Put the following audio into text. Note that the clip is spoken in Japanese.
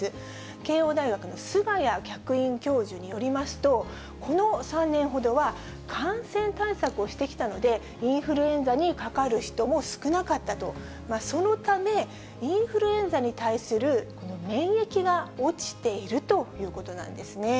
慶応大学の菅谷客員教授によりますと、この３年ほどは、感染対策をしてきたので、インフルエンザにかかる人も少なかったと、そのため、インフルエンザに対するこの免疫が落ちているということなんですね。